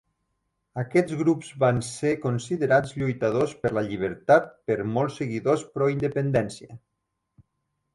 Aquests grups van ser considerats lluitadors per la llibertat per molts seguidors pro-independència.